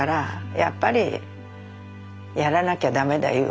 やっぱりやらなきゃ駄目だいう